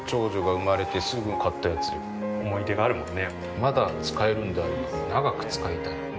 まだ使えるんであれば長く使いたい。